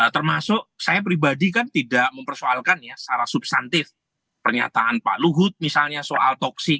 termasuk saya pribadi kan tidak mempersoalkan ya secara substantif pernyataan pak luhut misalnya soal toksik